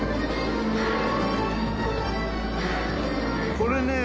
これねえ